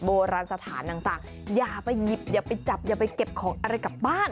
โบราณสถานต่างอย่าไปหยิบอย่าไปจับอย่าไปเก็บของอะไรกลับบ้าน